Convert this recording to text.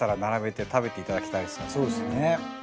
そうですね。